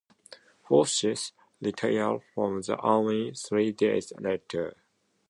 Forsyth retired from the Army three days later.